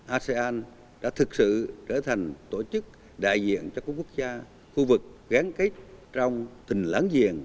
asean đã thực sự trở thành tổ chức đại diện cho các quốc gia khu vực gán kết trong tình lãng giềng